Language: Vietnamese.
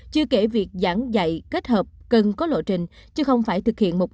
chưa kể việc giảng dạy kết hợp cần có lộ trình